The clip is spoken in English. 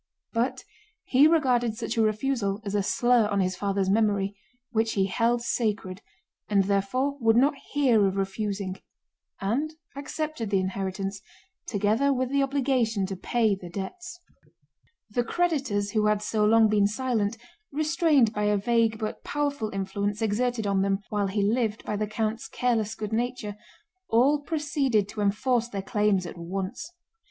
But he regarded such a refusal as a slur on his father's memory, which he held sacred, and therefore would not hear of refusing and accepted the inheritance together with the obligation to pay the debts. The creditors who had so long been silent, restrained by a vague but powerful influence exerted on them while he lived by the count's careless good nature, all proceeded to enforce their claims at once.